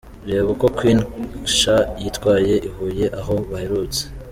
Reba uko Queen Cha yitwaye i Huye aho baherutse.